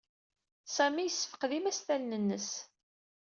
Sami yessefqed imastalen-nnes.